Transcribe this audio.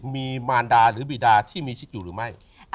มีชีวิตอยู่หรือไม่